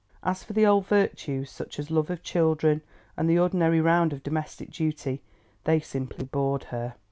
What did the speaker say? As for the old virtues, such as love of children and the ordinary round of domestic duty, they simply bored her.